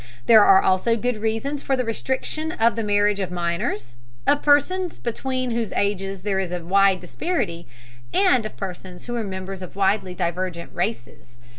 There are also good reasons for the restriction of the marriage of minors, of persons between whose ages there is a wide disparity, and of persons who are members of widely divergent races.